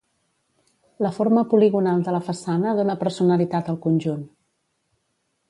La forma poligonal de la façana dóna personalitat al conjunt.